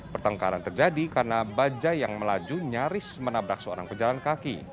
pertengkaran terjadi karena bajai yang melaju nyaris menabrak seorang pejalan kaki